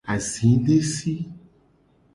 Azi desi.